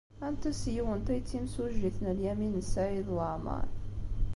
Anta seg-went ay d timsujjit n Lyamin n Saɛid Waɛmeṛ?